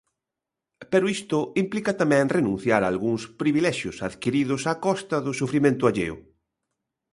Pero isto implica tamén renunciar a algúns privilexios adquiridos a costa do sufrimento alleo.